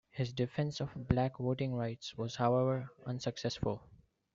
His defense of black voting rights was, however, unsuccessful.